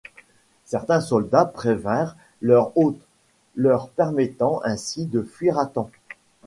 Certains soldats prévinrent leurs hôtes, leur permettant ainsi de fuir à temps.